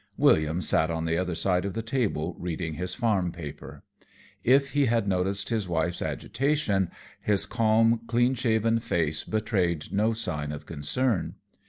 William sat on the other side of the table reading his farm paper. If he had noticed his wife's agitation, his calm, clean shaven face betrayed no sign of concern.